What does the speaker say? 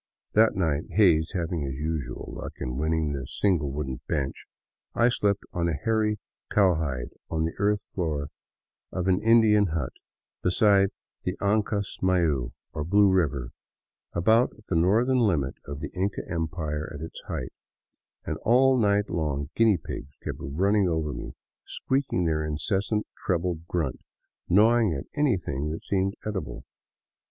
That night — Hays having his usual luck in winning the single wooden bench — I slept on a hairy cowhide on the earth floor of an Indian hut beside the Ancasmayu, or Blue River, about the northern limit of the Inca Empire at its height ; and all night long guinea pigs kept running over me, squeaking their incessant treble grunt, gnawing at anything that seemed edible.